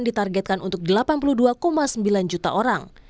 ditargetkan untuk delapan puluh dua sembilan juta orang